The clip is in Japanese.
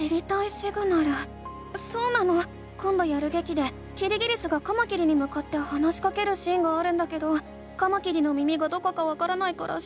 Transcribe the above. そうなのこんどやるげきでキリギリスがカマキリにむかって話しかけるシーンがあるんだけどカマキリの耳がどこかわからないから知りたいの。